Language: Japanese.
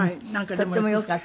とってもよかった。